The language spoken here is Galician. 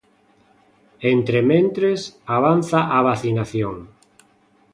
Entrementres, avanza a vacinación.